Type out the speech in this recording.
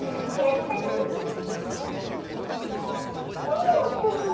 何やってるの？